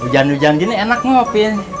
hujan hujan gini enak ngopi